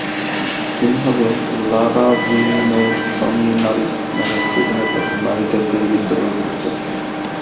তিনি হরে লারারিনেসমিনারিত নামের সুইডেনের প্রথম নারী টেরিটরি বিদ্যালয় প্রতিষ্ঠা করেন।